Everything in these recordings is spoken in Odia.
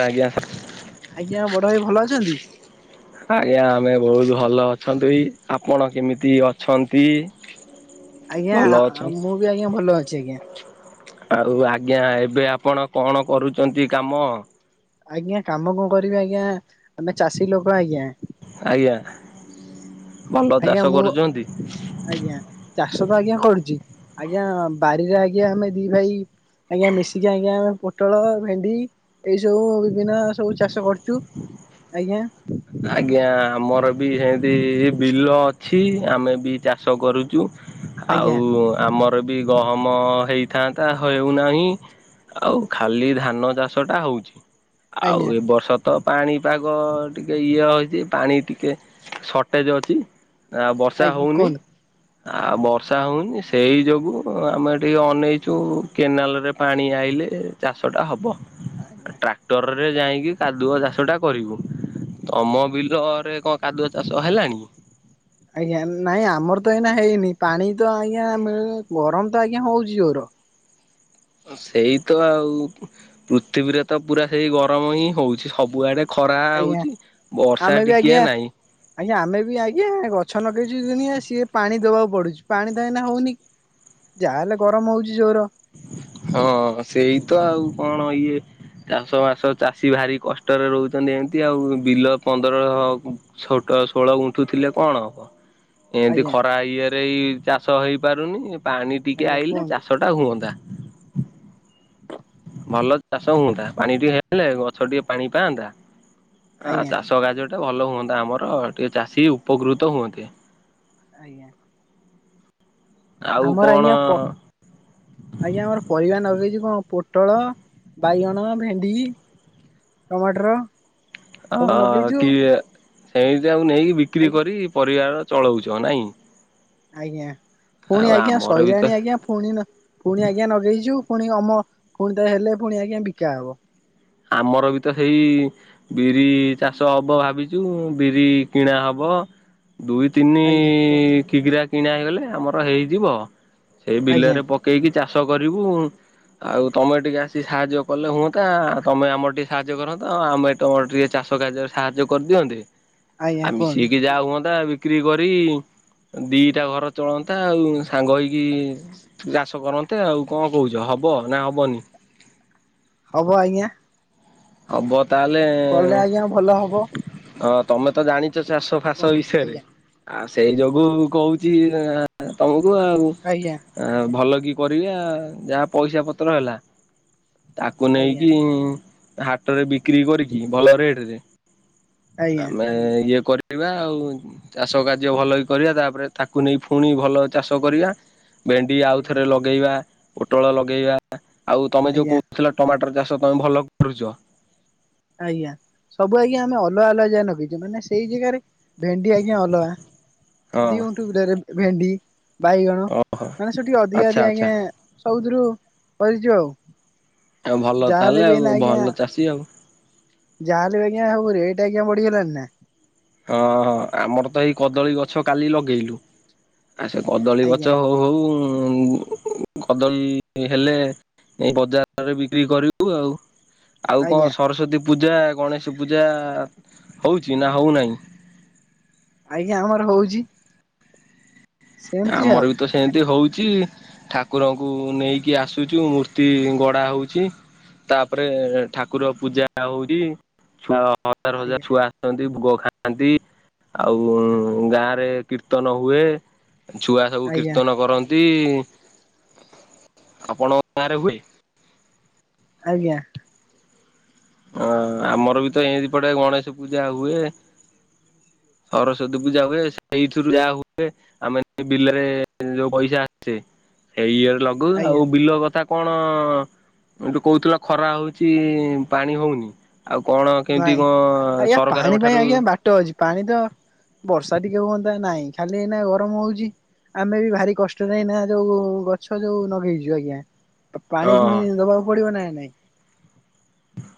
ଆଜ୍ଞା ଆଜ୍ଞା ବଡ ଭାଇ ଭଲ ଅଛନ୍ତି? ଆଜ୍ଞା। ଆମେ ବହୁତ ଭଲ ଅଛନ୍ତି ଆପଣ କେମିତି ଅଛନ୍ତି? ଆଜ୍ଞା ଭଲ ଅଛନ୍ତି ମୁଁ ବି ଆଜ୍ଞା ଭଲ ଅଛି ଆଜ୍ଞା। ଆଉ ଆଜ୍ଞା ଏବେ ଆପଣ କଣ କରୁଛନ୍ତି କାମ। ଆଜ୍ଞା କାମ କଣ କରିବି ଆଜ୍ଞା ଆମେ ଚାଷୀ ଲୋକ ଆଜ୍ଞା। ଆଜ୍ଞା। ଭଲ ଚାଷ ଆଜ୍ଞା ମୁଁ କରୁଛନ୍ତି? ଆଜ୍ଞା ଚାଷ ତ ଆଜ୍ଞା କରୁଛି। ଆଜ୍ଞା ବାରିରେ ଆଜ୍ଞା ଆମେ ଦି ଭାଇ ଆଜ୍ଞା ମିଶିକି ଆଜ୍ଞା ଆମେ ପୋଟଳ ଭେଣ୍ଡି ଏଇ ସବୁ ବିଭିନ୍ନ ସବୁ ଚାଷ କରୁଛୁ। ଆଜ୍ଞା। ଆଜ୍ଞା ଆମର ବି ସେମିତି ବିଲ ଅଛି ଆମେ ବି ଚାଷ କରନ୍ତି। ଆଜ୍ଞା ଆଉ ଆମର ବି ଗହମ ହେଇଥାନ୍ତା ହେଉନାହିଁ। ଆଉ ଖାଲି ଧାନ ଚାଷ ଟା ହଉଛି ଆଉ ଆଜ୍ଞା ଏ ବର୍ଷ ତ ପାଣିପାଗ। ଟିକଏ ଇଏ ହେଛି ପାଣି ଟିକେ ସର୍ଟେଜ୍ ଅଛି ଆ ବର୍ଷା ଆଜ୍ଞା ହେଉନି। କୁହନ୍ତୁ। ଆଉ ବର୍ଷା ହଉନି ସେଇ ଯୋଗୁ ଆମେ ଟିକେ ଅନେଇଛୁ କେନାଲ ରେ ପାଣି ଆଇ। ଲେ ଚାଷଟା ହବ ଆଜ୍ଞା। ଟ୍ରାକ୍ଟରରେ ଯାଇକି କାଦୁଅ ଚାଷଟା କରିବୁ। ତମ ବିଲରେ କଣ କାଦୁଅ ଚାଷ ହେଲାଣି। ଆଜ୍ଞା ନାଇଁ ଆମର ତ ଏଇନା ହେଇନି ପାଣି ତ ଆଜ୍ଞା ମିଳୁନି ଗରମ ତ ଆଜ୍ଞା ହଉଛି ଜୋର ସେଇ ତ ଆଉ ପୃଥିବୀରେ ତ ପୁରା ସେଇ ଗରମ ହିଁ ହଉଛି ସବୁଆଡେ। ପ୍ରାୟ ଆଜ୍ଞା ହଉଛି। ବର୍ଷା ଆମେ ବି ଟିକିଏ ଆଜ୍ଞା ନାହିଁ ଆଜ୍ଞା ଆମେ ବି ଆଜ୍ଞା ଗଛ ଲଗେଇଛୁ ଦୁନିଆ ସିଏ ପାଣି ଦବା ପଢୁଛି ପାଣି ପ ଦେଇ ଏଇନା ହଉନି ଯାହାହେଲେ ଗରମ ହଉଛି ଜୋର। ହଁ ସେଇ ତ ଆଉ କଣ ଇଏ। ଚାଷ ମାସ ଚାଷୀ ଭାରି କଷ୍ଟରେ ରହୁଛନ୍ତି ଏମିତି ଆଉ ବିଲ ପନ୍ଦର ଛୋଟ ଷୋଳ ଗୁଣ୍ଠୁଥିଲେ କଣ ହବ? ଏମିତି ଆଜ୍ଞା ଖରା ଇଏରେଇ ଚାଷ ହେଇ ପାରୁନି ପାଣି ଟିକେ ଆଜ୍ଞା ଆଇିଲେ କୁହନ୍ତୁ ଚାଷ ଟା ହୁଅନ୍ତା। ଭଲ ଚାଷ ହୁଅନ୍ତା ପାଣି ଟିକେ ହେଲେ ଗଛ ଟିକେ ପାଣି ପାଆନ୍ତା। ଆ ଆଜ୍ଞା ଚାଷ କାର୍ଯ୍ୟଟା ଭଲ ହୁଅନ୍ତା ଆମର ଟିକେ ଚାଷୀ ଉପକୃତ ହୁଅନ୍ତେ। ଆଜ୍ଞା। ଆଉ ଆମର କଣ ଆଜ୍ଞା ଆଜ୍ଞା ଆମର ପରିବା ନଗେଇଛି କଣ ପୁଟଳ। ବାଇଗଣ ଭେଣ୍ଡି ଟମାଟର। ଆ ସବୁ ଲଗେଇଛୁ କି ସେମିତି ଆଉ ନେଇକି ଆ ବିକ୍ରି କରି ପରିବାର ଚଳଉଛ ନାଇଁ। ଆଜ୍ଞା ଆଉ ପୁଣି ଆଜ୍ଞା ଆମର ବି ତ ସଇଲାଣି ଆଜ୍ଞା ପୁଣି ପୁଣି ଆଜ୍ଞା ଲଗେଇଛୁ। ପୁଣି ଅମ ପୁଣି ତ ହେଲେ ପୁଣି ଆଜ୍ଞା ବିକା ହବ। ଆମର ବି ତ ସେଇ ବିରି ଚାଷ ହବ ଭାବିଛୁ ବିରି କିଣା ହବ। ଦୁଇ ତିନି ଆଜ୍ଞା କୁହନ୍ତୁ କିଗିରା କିଣା ହେଇଗଲେ ଆମର ହେଇଯିବ। ସେଇ ବିଲ ଆଜ୍ଞା ରେ ପକେଇକି ଚାଷ କରିବୁ ଆଉ ତମେ ଟିକେ ଆସିିକି ସାହାଯ୍ୟ କଲେ ହୁଅନ୍ତା। ତମେ ଆମର ଟିକେ ସାହାଯ୍ୟ କରନ୍ତ ଆମେ ତମର ଟିକେ ଚାଷ କାର୍ଯ୍ୟରେ ସାହାଯ୍ୟ କରିଦିଅନ୍ତେ। ଆଜ୍ଞା ଆଉ କୁହନ୍ତୁ। ମିଶିକି ଯା ହୁଅନ୍ତା ବିକ୍ରି କରି। ଦିଟା ଘର ଚଳନ୍ତା ଆଉ ସାଙ୍ଗ ହେଇକି ଚାଷ କରନ୍ତେ ଆଉ କଣ କହୁଛ? ହବ ନା ହବନି? ହବ ଆଜ୍ଞା। ହବ ତାହେଲେ କଲେ ଆଜ୍ଞା ଭଲ ହବ ତମେ ତ ଜାଣିଛ ଚାଷ ଫାସ କୁହନ୍ତୁ ବିଷୟରେ, ଆଜ୍ଞା ଆଉ ସେଇ ଯୋଗୁ କହୁଛି ତମକୁ ଆଉ, ଆଜ୍ଞା। ଭଲ କି କରିବା ଯାହା ପଇସା ପତ୍ର ହେଲା ତାକୁ ଆଜ୍ଞା ନେଇକି ହାଟରେ ବିକ୍ରି କରିକି ଭଲ ରେଟ ରେ ଆଜ୍ଞା ଆମେ ଇଏ କରି କରିବା ଆଉ ଚାଷ କାର୍ଯ୍ୟ ଭଲ ହ କରିବା, ତାପରେ ତାକୁ ନେଇ ପୁଣି ଭଲ ଚାଷ କରିବା। ଭେଣ୍ଡି ଆଜ୍ଞା ଆଉଥରେ ଲଗେଇବା, ପୋଟଳ ଲଗେଇବା, ଆଉ ତମେ ଯୋଉ ଆଜ୍ଞା କହୁଥିଲ ଟମାଟର ଚାଷ? ତ ତମେ ଭଲ କରୁଛ। ଆଜ୍ଞା, ସବୁ ଆଜ୍ଞା ଆମେ ଅଲଗା ଅଲଗା ଯା ନଗିଛୁ ମାନେ ସେଇ ଜାଗାରେ ଭେଣ୍ଡି ଆଜ୍ଞା ଅଲଗା ହଁ ଦିଉଠୁ ଭେଣ୍ଡି। ବାଇଗଣ ହଁ ମାନେ ସେଠି ଅଧିକା ଆଚ୍ଛା ଅଧିକା ଆଚ୍ଛା ଆଜ୍ଞା ସବଦରୁ କରିଚୁ ଆଉ। ଆଉ ଭଲ ଯାହାହେଲେ ତାହେଲେ ଆଉ ଭଲ ଚାଷୀ ଆଉ। ଯା ହେଲେ ଆଜ୍ଞା, ଆଉ ରେଟେ ଆଜ୍ଞା ବଢ଼ି ଗଲାଣିନା ହଁ, ହଁ ଆମର ତ ଏଇ କଦଳୀ ଗଛ କାଲି ଲଗେଇଲୁ। ଆଉ ସେ କଦଳୀ ଗଛ ଆଜ୍ଞା ହଉ ହଉ? କଦଳୀ ହେଲେ ଏ ବଜାରରେ ବିକ୍ରି କରିବୁ ଆଉ। ଆଉ କଣ ଆଜ୍ଞା ସରସ୍ଵତୀ ପୂଜା, ଗଣେଶ ପୂଜା, ହଉଛି ନା ହଉନାହିଁ? ଆଜ୍ଞା ଆମର ହଉଛି। ସେମିତି ଆଉ ଆମର ବି ତ ସେମତି ହଉଛି। ଠାକୁରଙ୍କୁ ନେଇକି ଆସୁଛୁ ମୂର୍ତ୍ତି ଗଡା ହଉଛି। ତାପରେ ଠାକୁର ପୂଜା ହଉଛି ଛୁଆ ହଜାର ହଜାର ଆଜ୍ଞା ଛୁଆ ଆସଛନ୍ତି। ଭୋଗ ଖାଆନ୍ତି ଆଉ ଗାଁ ରେ କୀର୍ତ୍ତନ ହୁଏ। ଛୁଆ ସବୁ ଆଜ୍ଞା କୀର୍ତ୍ତନ କରନ୍ତି। ଆପଣଙ୍କ ଗାଁରେ ହୁଏ? ଆଜ୍ଞା। ହଁ ଆମର ବି ତ ଏମିତି ପଟେ ଗଣେଶ ପୂଜା ହୁଏ। ସରସ୍ଵତୀ ପୂଜା ହୁଏ ସେଇଠରୁ ଯାହା ହୁଏ ଆମେ ବିଲରେ ଯୋଉ ପଇସା ଆସେ ସେଇ ଲଗୁ ଆଉ ଆଜ୍ଞା ବିଲ କଥା କଣ ଏଠୁ କହୁଥିଲ ଖରା ହଉଛି। ପାଣି ହଉନି ଆଉ କଣ କେମିତି ନାଇଁ, କଣ ଆଜ୍ଞା ସରକାରଙ୍କ ପାଣି ପାଇଁ ଠାରୁ ଆଜ୍ଞା ବାଟ ଅଛି ପାଣି ତ ବର୍ଷା ଟିକେ ହୁଅନ୍ତା ନାଇଁ ଖାଲି ଏ ଗରମ ହଉଛି। ଆମେ ବି ଭାରି କଷ୍ଟ ନା ନା ଯୋଉ ଗଛ ଯୋଉ ଲଗେଇଛୁ ଆଜ୍ଞା ହଁ ପାଣି ଫାଣି ଦବାକୁ ପଡିବ ନା ନାଇଁ।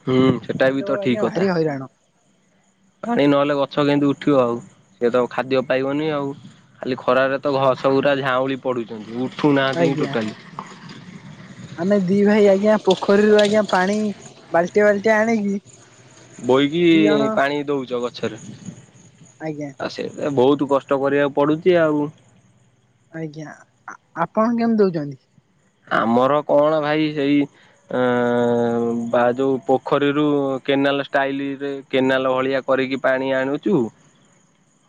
ହୁଁ ସେଟା ପାଣି ବି ଦବା ତ ଠିକ ଆଜ୍ଞା କଥା ଭାରି ହଇରାଣ ପାଣି ନହେଲେ ଗଛ କେମତି ଉଠିବ ଆଉ ସେ ତ ଖାଦ୍ୟ ପାଇବନି ଆଉ, ଖାଲି ଖରାରେ ତ ଘସା ଝାଉଁଳି ପଡୁଛନ୍ତି, ଉଠୁନାହାନ୍ତି ଆଜ୍ଞା। ଟୋଟାଲି। ଆମେ ଦି ଭାଇ ଆଜ୍ଞା ପୋଖରୀରୁ ଆଜ୍ଞା ପାଣି ବାଲ୍ଟିଆ ବାଲ୍ଟି ଆଣିକି ଦି ବୋହିକି ଜଣ ପାଣି ଦଉଛ ଗଛରେ, ଆଜ୍ଞା ଆ ସେ ବହୁତ [unintelligible] କଷ୍ଟ କରିବାକୁ ପଡ଼ୁଛି ଆଉ। ଆଜ୍ଞା ଆପଣ କେମିତି ଦଉଛନ୍ତି? ଆମର କଣ ଭାଇ ସେଇ ଅ ବା ଯୋଉ ପୋଖରୀରୁ କେନାଲ ଷ୍ଟାଇଲ ରେ କେନାଲ ଭଳିଆ କରିକି ପାଣି ଆଣୁଛୁ।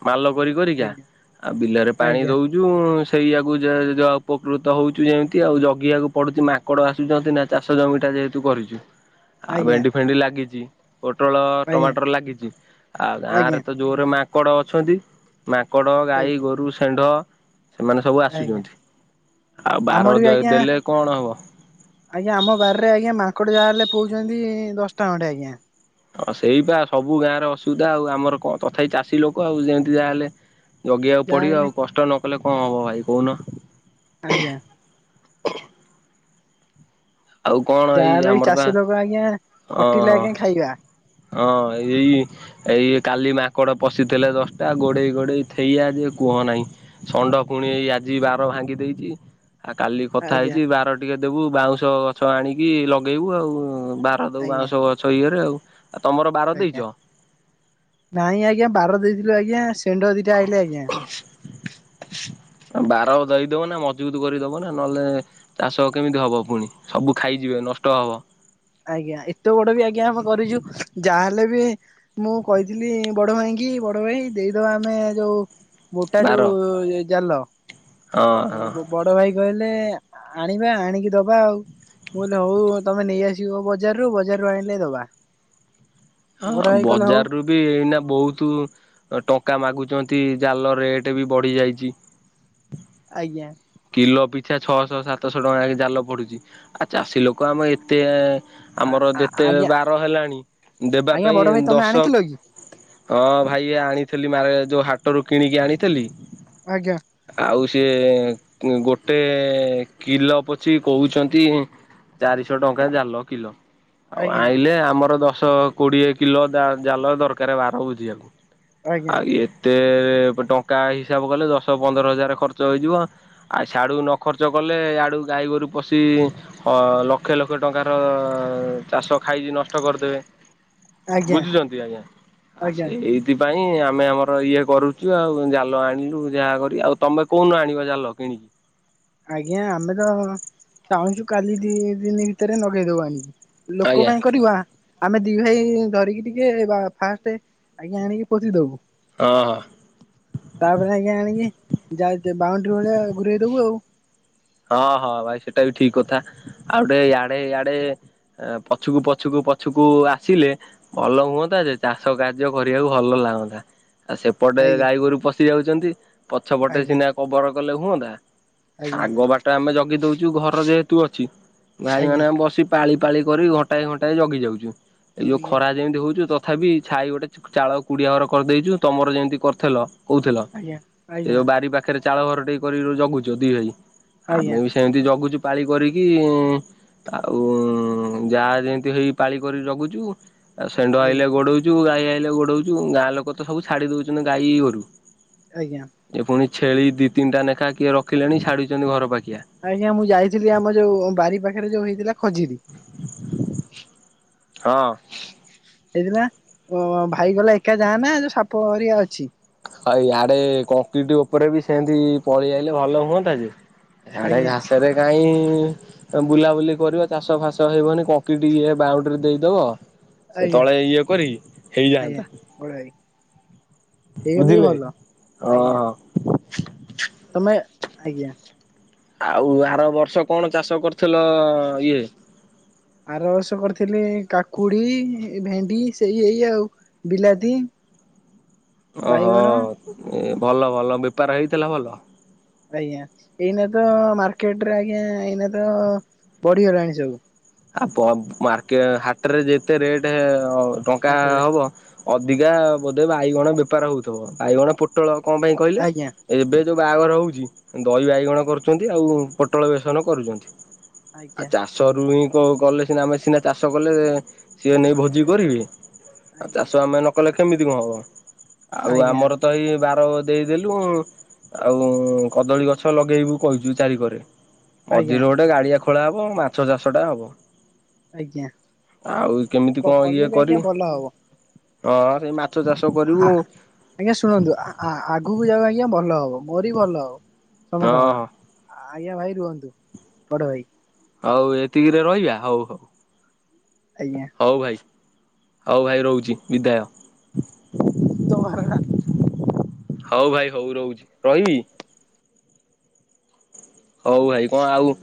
ମାଲ କରି କରିକା ଆଜ୍ଞା ଆଉ ବିଲରେ ପାଣି ଆଜ୍ଞା ଦଉଚୁ ସେଇଆଗକୁ ଉପକୃତ ହେଉଛୁ ଯେମତି ଆଉ ଜଗିବାକୁ ପଡୁଛି ମାଙ୍କଡ ଆସୁଛନ୍ତି ନା, ଚାଷ ଜମିଟା ଯେହେତୁ କରିଛୁ। ଆଉ ଆଜ୍ଞା ଭେଣ୍ଡି ଫେଣ୍ଡି ଲାଗିଛି। ପୋଟଳ ଆଜ୍ଞା ଟମାଟର ଲାଗିଛି ଆଉ ଗାଁ ଆଜ୍ଞା ରେ ତ ଯୋର ରେ ମାଙ୍କଡ ଅଛନ୍ତି। ମାଙ୍କଡ଼, ଗାଈ, ଆଜ୍ଞା ଗୋରୁ, ଷେଣ୍ଢ? ସେମାନେ ସବୁ ଆଜ୍ଞା ଆସୁଛନ୍ତି ଆଉ ଆମର ବାର ବି ଆଜ୍ଞା ଦେଲେ କଣ ହବ ଆଜ୍ଞା ଆମ ବାରରେ ଆଜ୍ଞା ମାଙ୍କଡ ଯାହା ହେଲେ ପୋଉଚନ୍ତି ଦଶଟା ଖଣ୍ଡେ ଆଜ୍ଞା। ହଁ ସେଇ ପା ସବୁ ଗାଁରେ ଅସୁବିଧା ଆଉ ଆମର କଣ ତଥାପି ଚାଷୀ ଲୋକ ଆଉ ଯେମିତି ଯାହାହେଲେ ଜଗିବାକୁ ପଡ଼ିବ ଯାହାହେଲେ ଆଉ କଷ୍ଟ ନକଲେ କଣ ହବ ଭାଇ କୋହୁନ। ଆଜ୍ଞା ଆଉ କଣ ଭାଇ ଇଏ ଯାହାହେଲେ ବି ଆମର ପା ଚାଷୀ ଲୋକ ଆଜ୍ଞା ହଁ ଖଟିଲେ ହଁ। ଆଜ୍ଞା ଖାଇବା ହଁ ଏଇ ଏଇ କାଲି ମାଙ୍କଡ଼ ପଶିଥିଲେ ଦଶଟା ଗୋଡ଼େଇ ଗୋଡ଼େଇ ଥେଇଆ ଯେ କୁହ ନାହିଁ ଷଣ୍ଡକୁ ପୁଣି ଏଇ ଆଜି ବାର ଭାଙ୍ଗି ଦେଇଚି। ଆଉ କାଲି କଥା ଆଜ୍ଞା ହେଇଚି ବାର ଟିକେ ଦେବୁ ବାଉଁଶ ଗଛ ଆଣିକି ଲଗେଇବୁ ଆଉ ବାର ଦୋଉ ଆଜ୍ଞା ବାଉଁଶ ଗଛ ଇଏରେ ଆଉ। ଆଉ ତମର ବାର ଦେଇଚ? ଆଜ୍ଞା ନାଇଁ ଆଜ୍ଞା ବାର ଦେଇଥିଲୁ ଆଜ୍ଞା ସ୍ ଶେଣ୍ଢ ଦିଟା ଆାଇଲେ ଆଜ୍ଞା। ଦେଇ ଦବନା ମଜବୁତ କରି ଦବନା ନହେଲେ ଚାଷ କେମିତି ହବ ପୁଣି ସବୁ ଖାଇଯିବେ ନଷ୍ଟ ହବ। ଆଜ୍ଞା ଏତେ ବଡ ବି ଆଜ୍ଞା ଆମେ କରିଚୁ ଯାହାହେଲେ ବି ମୁଁ କହିଥିଲି ବଡ ଭାଇଙ୍କି କି ବଡ ଭାଇ ଦେଇଦବା ଆମେ ଯୋଉ ମୋଟା ବାର ଯୋଉ ଏ ଜାଲ ହଁ ହଁ। ବ ବଡ ଭାଇ କହିଲେ ଲେ ଆଣିବା ଆଣିକି ଦବା ଆଉ। ମୁଁ କହିଲେ ହୋଉ ତମେ ନେଇଆସିବ ବଜାରରୁୁ ବଜାରରୁ ଆଣିଲେ ଦବା। ହଁ ବଡ ଭାଇ କହିଲେ ହଉ ବଜାରରୁ ବି ଏଇନା ବୋହୁତ ଅ ଟଙ୍କା ମାଗୁ ଯେମିତି ଜାଲ ରେଟ୍ ବି ବଢ଼ିଯାଇଚି। ଆଜ୍ଞା। କିଲ ପିଛା ଛଅଶ ସାତଶ ଟଙ୍କାକି ଜାଲ ପଡୁଚି ଆ ଚାଷୀ ଲୋକ ଆମ ଏତେ ଆମର ଯେତେ ଆଜ୍ଞା ବାର ହେଲାଣି ଦେବା ଆଜ୍ଞା ବଡ ପାଇଁ ଭାଇ ତମେ ଦଶ ଆଣିଥିଲ କି ହଁ ଭାଇ ଆଣିଥିଲି ମାଳେ ଯୋଉ ହାଟରୁ କିଣିକି ଆଣିଥେଲି ଆଜ୍ଞା। ଇଏ କୁଁ ଗୋଟେ କିଲ ପଛିକି କୋହୁଛନ୍ତି ଚାରିଶ ଟଙ୍କା ଜାଲ କିିଲ। ଆଉ ଆଜ୍ଞା ଆଇଲେ ଆମର ଦଶ କୋଡିଏ କିଲ ଦା ଜାଲ ଦରକାରେ ବାର ବୁଜିିବାକୁ। ଆଜ୍ଞା ଆଉ ଏତେ ପ ଟଙ୍କା ହିସାବ କଲେ ଦଶ ପନ୍ଦର ହଜାରେ ଖର୍ଚ୍ଚ ହେଇଯିବ। ଆଉ ସ୍ୟାଡ଼ୁକୁ ନ ଖର୍ଚ୍ଚ କଲେ ୟାଡ଼ୁକୁ ଗାଈଗୋରୁ ପଶିକି ହ ଲକ୍ଷେ ଲକ୍ଷେ ଟଙ୍କାର ଚାଷ ଖାଇକି ନଷ୍ଟ କରିଦେବେ ଆଜ୍ଞା ବୁଝୁଚନ୍ତି ଆଜ୍ଞା ଆ ଆଜ୍ଞା ସେଇଥି ପାଇଁ ଆମେ ଆମର ଇଏ କରୁଚୁ ଆଉ ଜାଲ ଆଣିଲୁ ଯାହା କରି ଆଉ ତମେ କୋଉ ଦିନ ଆଣିବ ଜାଲ? କିଣିକି। ଆଜ୍ଞା ଆମେ ତ ଚାହୁଁଚୁ କାଲି ଦି ଦିନି ଭିତରେ ଲଗେଇଦୋବୁ ଆଣିକି। ଲୋକ ଆଜ୍ଞା ପାଇଁ କରିବା। ଆମେ ଦି ଭାଇ ଧରିକି ଟିକେ ବା ଫାଷ୍ଟେ ଆଜ୍ଞା ଆଣିକି ପୋତି ଦୋବୁ। ହଁ ହଁ। ତାପରେ ଆଜ୍ଞା ଆଣିକି ଯାଇକି ବାଉଣ୍ଡରି ଭଳିଆ ଘୁରେଇ ଦୋବୁ ଆଉ। ହଁ ହଁ ଭାଇ ସେଟା ବି ଠିକ କଥା ଆଉ ଗୋଟେ ୟାଡେ ୟାଡେ ପଛୁକୁ ପଛୁକୁ ପଛକୁ ଆସିଲେ ଭଲ ହୁଅନ୍ତା ଯେ ଚାଷ କାର୍ଯ୍ୟ କରିବାକୁ ଭଲ ଲାଗନ୍ତା। ଆ ସେପଟେ ଆଜ୍ଞା ଗାଈ ଗୋରୁ ପଶି ଯାଉଚନ୍ତି ପଛପଟେ ଆଜ୍ଞା ସିନା କଭର କଲେ ହୁଅନ୍ତା। ଆଜ୍ଞା। ଆଗ ବାଟ ଆମେ ଜଗି ଦୋଉଚୁ ଘର ଯେହେତୁ ଅଛି ଆଜ୍ଞା ଗାଈମାନେ ଆମେ ବସି ପାଳି ପାଳି କରି ଘଣ୍ଟାଏ ଘଣ୍ଟାଏ ଜଗି ଯାଉଚୁ ଏଇ ଯୋଉ ଆଜ୍ଞା ଖରା ଯେମିତି ହୋଉଚି ତ ତଥାପି ଛାଇ ଗୋଟେ ଚ୍ ଚାଳ କୁଡ଼ିଆ ଘର କରିଦେଇଚୁ ତମର ଯେମତି କରଥେଲ କୋହୁଥିଲ ଆଜ୍ଞା ଏ ଆଜ୍ଞା ଯୋଉ ବାରି ପାଖରେ ଚାଳ ଘର ଟିଏ କରିକି ର ଜଗୁଚ ଦି ଭାଇ ଆଜ୍ଞା ଆମେ ବି ସେମିତି ଜଗୁଚୁ ପାଳି କରିକି। ଆଉ ଯାହା ଯେମତି ହେଇ ପାଳି କରି ଜଗୁଚୁ। ଆଉ ସେଣ୍ଢ ଆଇଲେ ଆଜ୍ଞା ଗୋଡୋଉଚୁ ଗାଈ ଆଇଲେ ଗୋଡୋଉଚୁ ଗାଁ ଲୋକ ତ ସବୁ ଛାଡି ଦୋଉଚନ୍ତି ଗାଈ ଗୋରୁ। ଆଜ୍ଞା ଏ ପୁଣି ଛେଳି ଦି ତିନିଟା ଲେଖା କିଏ ରଖିଲାଣି? ଛାଡୁଛନ୍ତି ଘର ପାଖିଆ। ଆଜ୍ଞା ମୁଁ ଯାଇଥିଲି ଆମ ଯୋଉ ବାରି ପାଖରେ, ଯୋଉ ହେଇଥିଲା ଖଜୁରୀ। ହଁ। ହେଇଥିଲା ଭାଇ କହିଲା ଏକା ଯାଆନା, ଯୋଉ ସାପ ହେରିକା ଅଛି। ଆଉ ଆଡେ କଂକ୍ରିଟ ଉପରେ ବି, ସେମିତି ପଳେଇ ଆଇଲେ ଭଲ ହୁଅନ୍ତା ଯେ। ଆଡେ ଆଜ୍ଞା ଘାସରେ କାଇଁ ବୁଲାବୁଲି କରିବ ଚାଷ ଫାସ ହେଇବନି କଂକ୍ରିଟ ଇଏ ବାଉଣ୍ଡ୍ରି ଦେଇଦବ। ସେ ଆଜ୍ଞା ତଳେ ଇଏ କରିକି ଆଜ୍ଞା ହେଇଯାଆନ୍ତା। ବଡ଼ ଭାଇ। ହେଇଗଲେ ବି ବୁଝିଲେ ଭଲ ଆଜ୍ଞା ହଁ। ତମେ ଆଜ୍ଞା। ଆଉ ଆର ବର୍ଷ କଣ ଚାଷ କରିଥିଲ? ଇଏ ଆର ବର୍ଷ କରିଥିଲି କାକୁଡି, ଭେଣ୍ଡି ସେଇ ଏଇ ଆଉ ବିଲାତି ଓ ହୋ ବାଇଗଣ ଭଲ ଭଲ, ବେପାର ହେଇଥିଲା ଭଲ? ଆଜ୍ଞା ଏଇନା ତ, ମାର୍କେଟରେ ଆଜ୍ଞା ଏଇନା ତ ବଢିଗଲାଣି ସବୁ। ଆ ବ ମାର୍କେ ହାଟରେ ଯେତେ ରେଟ ଟଙ୍କା ହାଟରେ ହବ। ଅଧିକା ବୋଧେ ବାଇଗଣ ବେପାର ହଉଥିବ? ବାଇଗଣ, ପୋଟଳ କଣ ପାଇଁ କହିଲେ, ଆଜ୍ଞା ଏବେ ଯୋଉ ବାହାଘର ହେଉଛି ଦହି ବାଇଗଣ କରୁଛନ୍ତି, ଆଉ ପୋଟଳ ବେସନ କରୁଛନ୍ତି। ଆଉ ଆଜ୍ଞା ଚାଷରୁ ହିଁ [unintelligible] କଲେ ସିନା ଆମେ ସିନା ଚାଷ କଲେ, ସିଏ ନେଇ ଭୋଜି କରିବେ। ଆଉ ଆଜ୍ଞା ଚାଷ ଆମେ ନ କଲେ କେମିତି କଣ ହବ? ଆଉ ଆଜ୍ଞା ଆମର ତ ଏଇ ବା ବାର ଦେଇଦେଲୁ ଆଉ, କଦଳୀ ଗଛ ଲଗେଇବୁ କହିଛୁ ଚାରି କରେ। ଆଜ୍ଞା ମଝିରୁ ଗୋଟେ ଗାଡିଆ ଖୋଳା ହବ, ମାଛ ଚାଷ ଟା ହବ। ଆଜ୍ଞା ଆଉ କେମିତି କଣ କଲେ ଇଏ ବି କରି? ଆଜ୍ଞା ଭଲ ହବ ହଁ ସେଇ ମା ଆ ଆଜ୍ଞା ଶୁଣନ୍ତୁ ଆ - ଆ ଆଗକୁ ଯାଉ ଆଜ୍ଞା ଭଲ ହବ, ମୋରି ଭଲ ହବ। ହଁ ତମେ ତମର ହଁ ଆଜ୍ଞା ଭାଇ ରୁହନ୍ତୁ। ବଡ ଭାଇ ଆଉ ଏତିକିରେ ରହିବା ହଉ ହଉ। ଆଜ୍ଞା ହଉ ଭାଇ ହଉ ଭାଇ ରହୁଛି ବିଦାୟ। [unintelligible] ହଉ ଭାଇ ହଉ ରହୁଛି। ରହିବି? ହଉ ଭାଇ କଣ ଆଉ?